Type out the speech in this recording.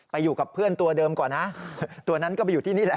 อยู่กับเพื่อนตัวเดิมก่อนนะตัวนั้นก็ไปอยู่ที่นี่แหละ